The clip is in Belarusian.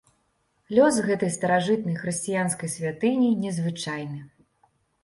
Лёс гэтай старажытнай хрысціянскай святыні незвычайны.